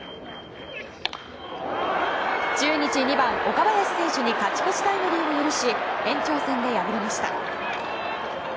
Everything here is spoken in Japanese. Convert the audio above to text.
中日２番、岡林に勝ち越しタイムリーを許し延長戦で敗れました。